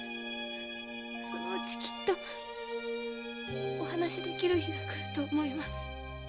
そのうちきっとお話しできる日がくると思います。